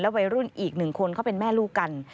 และวัยรุ่นอีก๑คนเขาเป็นแม่ลูกกัน